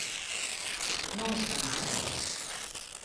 _¿Non está mal?